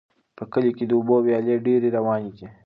په کلي کې د اوبو ویالې ډېرې روانې دي.